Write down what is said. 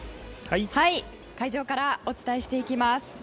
会場からお伝えしていきます。